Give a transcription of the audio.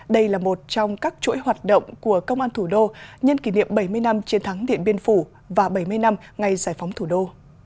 đây là một trong các chuỗi hoạt động của công an thủ đô nhân kỷ niệm bảy mươi năm chiến thắng điện biên phủ và bảy mươi năm ngày giải phóng thủ đô